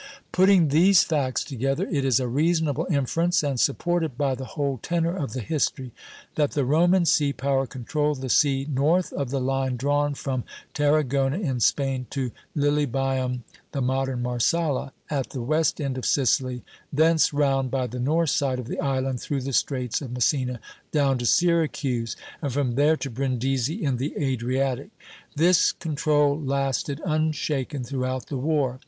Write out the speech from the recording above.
Putting these facts together, it is a reasonable inference, and supported by the whole tenor of the history, that the Roman sea power controlled the sea north of a line drawn from Tarragona in Spain to Lilybæum (the modern Marsala), at the west end of Sicily, thence round by the north side of the island through the straits of Messina down to Syracuse, and from there to Brindisi in the Adriatic. This control lasted, unshaken, throughout the war.